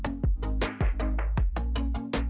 kepala penelitian bintang bintang bintang